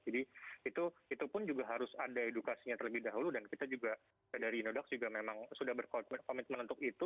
jadi itu itu pun juga harus ada edukasinya terlebih dahulu dan kita juga dari indodax juga memang sudah berkomitmen untuk itu